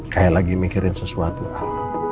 kayak lagi mikirin sesuatu hal